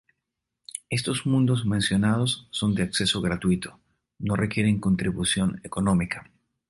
Estos mundos mencionados son de acceso gratuito, no requieren contribución económica.